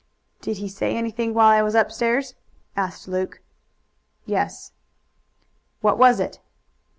"Did he say anything while I was upstairs?" asked Luke. "Yes." "What was it?"